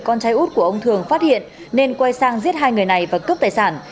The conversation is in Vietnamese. con trai út của ông thường phát hiện nên quay sang giết hai người này và cướp tài sản